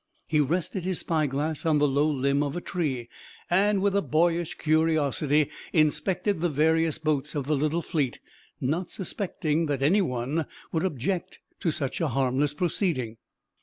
He rested his spyglass on the low limb of a tree, and with a boyish curiosity inspected the various boats of the little fleet, not suspecting that any one would object to such a harmless proceeding.